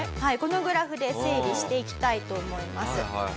このグラフで整理していきたいと思います。